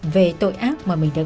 về tội ác mà mình đã gây ra